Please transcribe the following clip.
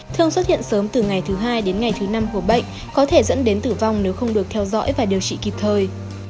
thường xuất hiện sớm từ ngày thứ hai đến ngày thứ năm của bệnh có thể dẫn đến tử vong nếu không được theo dõi và điều trị kịp thời